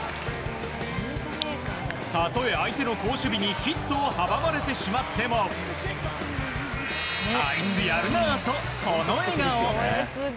たとえ相手の好守備にヒットを阻まれてしまってもあいつ、やるなとこの笑顔。